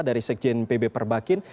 dari sekjen pb perbakin